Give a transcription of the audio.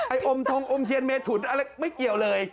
อมทงอมเทียนเมถุนอะไรไม่เกี่ยวเลย